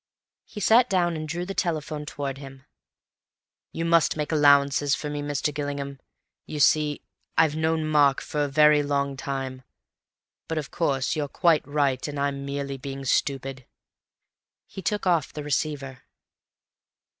He sat down and drew the telephone towards him. "You must make allowances for me, Mr. Gillingham. You see, I've known Mark for a very long time. But, of course, you're quite right, and I'm merely being stupid." He took off the receiver.